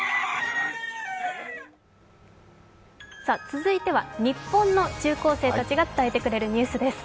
続いては日本の中高生たちが伝えてくれるニュースです。